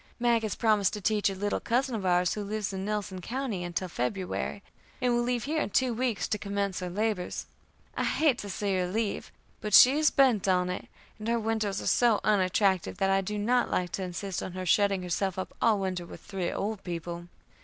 Mag has promised to teach a little cousin of ours, who lives in Nelson County, until February, and will leave here in two weeks to commence her labors. I hate to see her leave, but she is bent on it, and our winters are so unattractive that I do not like to insist on her shutting herself up all winter with three old people.